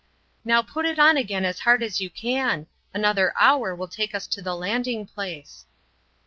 Now put it on again as hard as you can. Another hour will take us to the landing place."